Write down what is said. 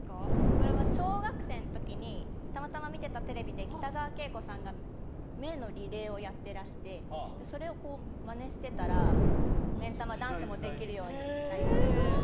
これは小学生の時たまたま見てたテレビで北川景子さんが目のリレーをやっていらしてそれをマネしてたら目ん玉ダンスもできるようになりました。